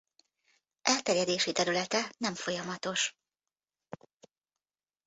Elterjedési területe nem folyamatos.